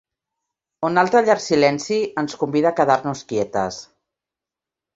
Un altre llarg silenci ens convida a quedar-nos quietes.